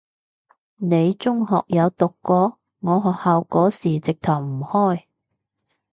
你中學有讀過？我學校嗰時直頭唔開